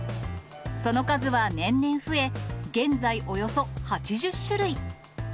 その数は年々増え、現在、およそ８０種類。